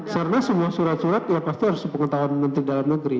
karena semua surat surat pasti harus diketahui menteri dalam negeri